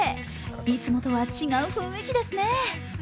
いつもとは違う雰囲気ですね。